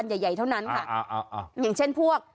อย่างเช่นปวก